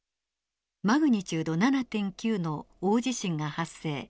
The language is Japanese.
マグニチュード７．９の大地震が発生。